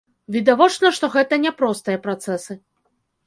Відавочна, што гэта няпростыя працэсы.